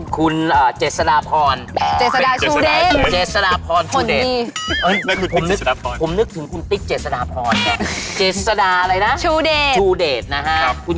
คุณเจสดาพอร์น